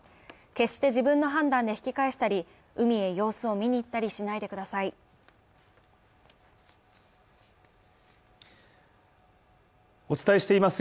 決して自分の判断で引き返したり、海へ様子を見に行ったりしないでください。